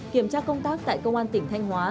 kiểm tra công tác tại công an tỉnh thanh hóa